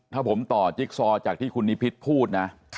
ถ้าผมต่อจิ๊กซอจากที่คุณนิพิษพูดนะ